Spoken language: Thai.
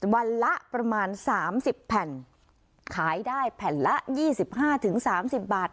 วันละประมาณสามสิบแผ่นขายได้แผ่นละยี่สิบห้าถึงสามสิบบาท